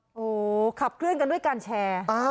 โอ้โหขับเคลื่อนกันด้วยการแชร์